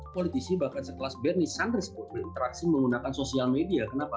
politisi bahkan sekelas bernie sandri sepuluh berinteraksi menggunakan sosial media kenapa